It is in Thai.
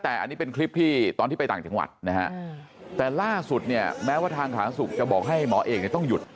แต่อันนี้เป็นคลิปที่ตอนที่ไปต่างจังหวัดนะฮะแต่ล่าสุดเนี่ยแม้ว่าทางสาธารณสุขจะบอกให้หมอเอกเนี่ยต้องหยุด